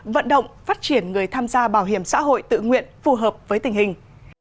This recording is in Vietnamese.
vận động phát triển người tham gia bảo hiểm xã hội tự nguyện phù hợp với tình hình